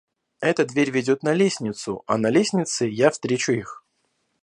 Эта дверь ведёт на лестницу, а на лестнице я встречу их.